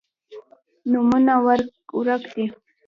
نومونه ورک دي